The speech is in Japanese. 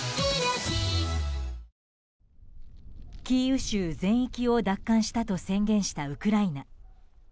キーウ州全域を奪還したと宣言したウクライナ。